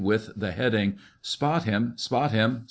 ] 355 with the heading, " Spot him ! spot him